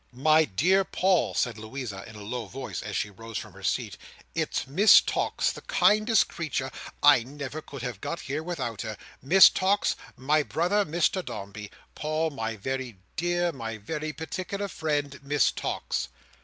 "My dear Paul," said Louisa in a low voice, as she rose from her seat, "it's Miss Tox. The kindest creature! I never could have got here without her! Miss Tox, my brother Mr Dombey. Paul, my dear, my very particular friend Miss Tox."